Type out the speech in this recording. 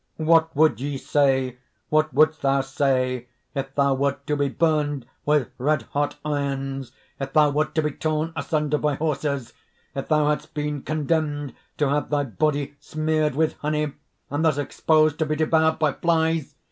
_) "What would ye say, what wouldst thou say if thou wert to be burned with red hot irons, if thou wert to be torn asunder by horses, if thou hadst been condemned to have thy body smeared with honey, and thus exposed to be devoured by flies!